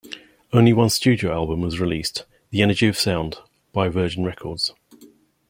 Only one studio album was released, "The Energy of Sound", by Virgin Records.